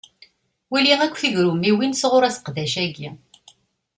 Wali akk tigrummiwin sɣuṛ aseqdac-agi.